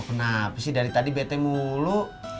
loh kenapa sih dari tadi bete mulu